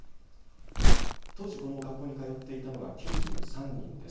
当時、この学校に通っていたのが９３人です。